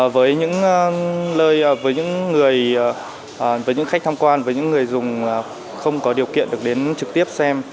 với những khách tham quan với những người dùng không có điều kiện được đến trực tiếp xem